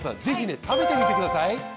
ぜひね食べてみてください。